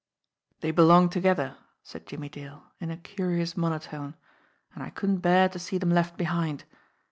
"They belong together," said Jimmie Dale, in a curious monotone, "and I couldn't bear to see them left behind.